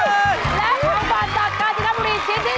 และตอนนี้ค่ะ